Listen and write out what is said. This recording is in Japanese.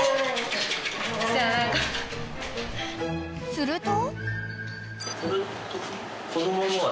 ［すると］